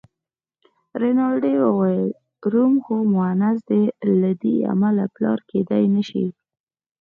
رینالډي وویل: روم خو مونث دی، له دې امله پلار کېدای نه شي.